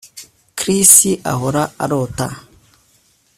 Chris ahora arota